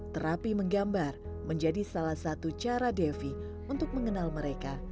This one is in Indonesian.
terapi menggambar menjadi salah satu cara devi untuk mengenal mereka